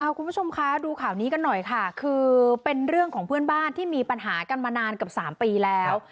คุณผู้ชมคะดูข่าวนี้กันหน่อยค่ะคือเป็นเรื่องของเพื่อนบ้านที่มีปัญหากันมานานเกือบ๓ปีแล้ว